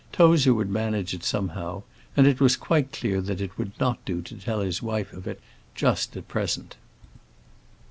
Tozer would manage it somehow; and it was quite clear that it would not do to tell his wife of it just at present.